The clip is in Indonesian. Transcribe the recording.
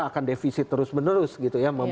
akan defisit terus menerus gitu ya